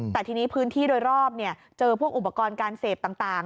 แต่ทีนี้พื้นที่โดยรอบเจอพวกอุปกรณ์การเสพต่าง